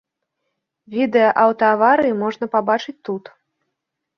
Відэа аўтааварыі можна пабачыць тут.